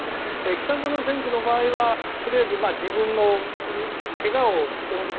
北園選手の場合はとりあえず自分の怪我をどうにか。